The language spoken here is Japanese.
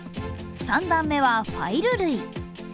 ３段目はファイル類。